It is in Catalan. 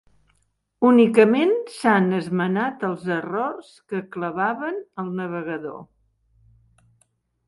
Únicament s'han esmenat els errors que clavaven el navegador.